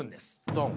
ドン。